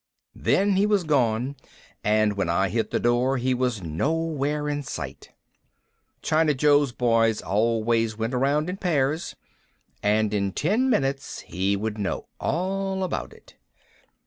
Then he was gone and when I hit the door he was nowhere in sight. China Joe's boys always went around in pairs. And in ten minutes he would know all about it.